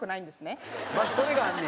まずそれがあんねや。